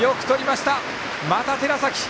また寺崎！